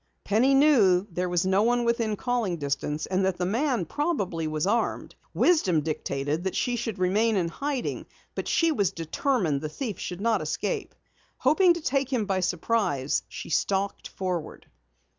Penny knew there was no one within calling distance and that the man probably was armed. Wisdom dictated that she remain in hiding, but she was determined the thief should not escape. Hoping to take him by surprise, she stalked forward.